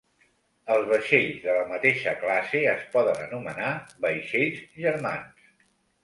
Els vaixells de la mateixa classe es poden anomenar vaixells germans.